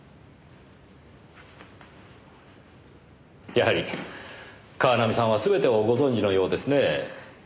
やはり川南さんは全てをご存じのようですねぇ。